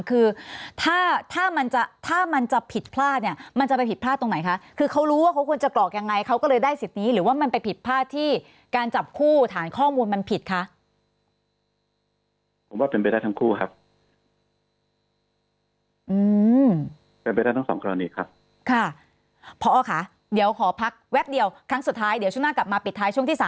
คือถ้าถ้ามันจะถ้ามันจะผิดพลาดเนี่ยมันจะไปผิดพลาดตรงไหนคะคือเขารู้ว่าเขาควรจะกรอกยังไงเขาก็เลยได้สิทธิ์นี้หรือว่ามันไปผิดพลาดที่การจับคู่ฐานข้อมูลมันผิดคะผมว่าเป็นไปได้ทั้งคู่ครับค่ะพอค่ะเดี๋ยวขอพักแป๊บเดียวครั้งสุดท้ายเดี๋ยวช่วงหน้ากลับมาปิดท้ายช่วงที่๓